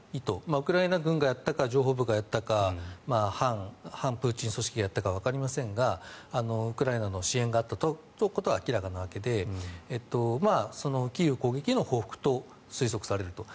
ウクライナ軍がやったか情報部がやったか反プーチン組織がやったかわかりませんがウクライナの支援があったことは明らかなわけでキーウ攻撃の報復と推測されると。